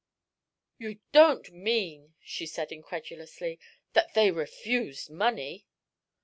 "You don't mean," she said incredulously, "that they refused money?"